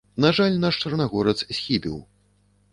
На жаль, наш чарнагорац схібіў.